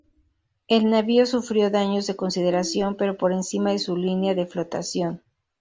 El navío sufrió daños de consideración, pero por encima de su línea de flotación.